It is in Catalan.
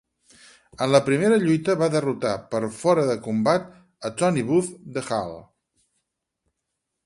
En la seva primera lluita va derrotar per fora de combat a Tony Booth, de Hull.